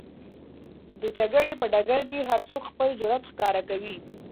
د جګړې په ډګر کې هر څوک خپل جرئت ښکاره کوي.